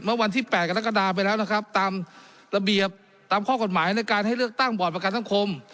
วันที่๘กรกฎาไปแล้วนะครับตามระเบียบตามข้อกฎหมายในการให้เลือกตั้งบอร์ดประกันสังคม